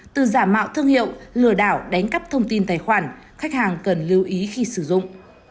từ giả mạo thương hiệu lừa đảo đánh cắp thông tin tài khoản khách hàng cần lưu ý khi sử dụng